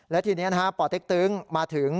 และทีนี้ป่อเต็กตึ้งมาถึง